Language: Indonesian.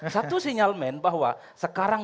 satu sinyalmen bahwa sekarang